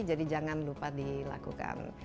jadi jangan lupa dilakukan